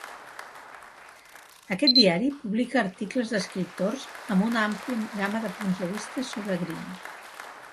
Aquest diari publica articles d"escriptors amb una àmplia gama de punts de vista sobre Green.